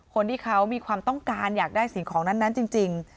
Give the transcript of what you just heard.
คนที่เขามีความต้องการอยากได้สิ่งของนั้นจริง